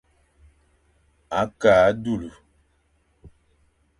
Ake a dulu.